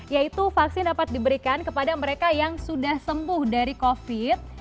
yaitu vaksin dapat diberikan kepada mereka yang sudah sembuh dari covid